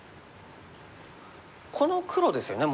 この黒ですよね